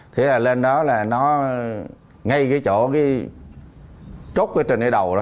thế là lên đó là nó ngay cái chỗ cái trốt cái trần này đầu đó